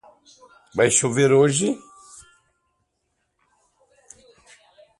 Eu não tenho graça, eu tenho horror à graça.